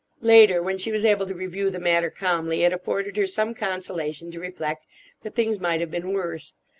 Later, when she was able to review the matter calmly, it afforded her some consolation to reflect that things might have been worse.